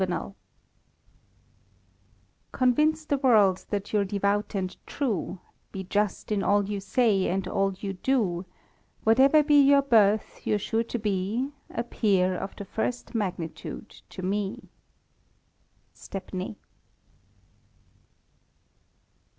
'* G)nvince the world that you're devout and true ; Be just in all you say, and all you do ; Whatever be your birth, you're sure to be A peer of the first magnitude to me." Stepney.